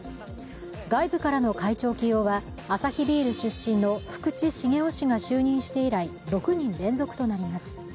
外部からの会長起用はアサヒビール出身の福地茂雄氏が就任して以来６人連続となります。